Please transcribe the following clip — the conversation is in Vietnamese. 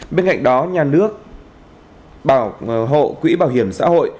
bên cạnh đó nhà nước bảo hộ quỹ bảo hiểm xã hội